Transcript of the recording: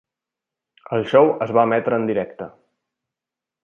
El show es va emetre en directe.